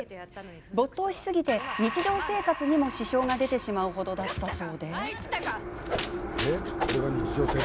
没頭しすぎて、日常生活にも支障が出てしまう程だったそう。